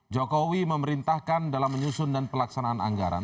jokowi memerintahkan dalam menyusun dan pelaksanaan anggaran